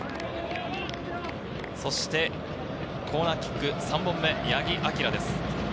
そしてコーナーキック３本目、八木玲です。